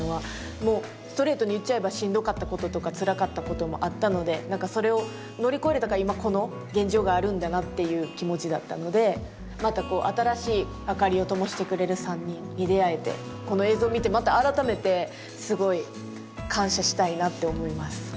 もうストレートに言っちゃえばしんどかったこととかつらかったこともあったのでそれを乗り越えれたから今この現状があるんだなっていう気持ちだったのでまたこう新しい明かりをともしてくれる３人に出会えてこの映像を見てまた改めてすごい感謝したいなって思います。